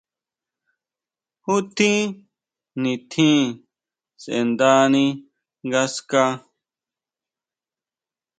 ¿Ju tjín nitjín sʼendani ngaská?